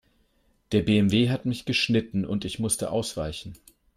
Der BMW hat mich geschnitten und ich musste ausweichen.